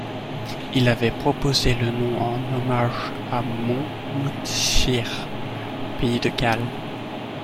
Il avait proposé le nom en hommage à Monmouthshire, pays de Galles.